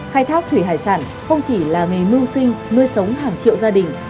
khai thác thủy hải sản không chỉ là nghề mưu sinh nuôi sống hàng triệu gia đình